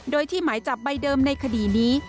โดยที่หมายจับใบเดิมในคดีนี้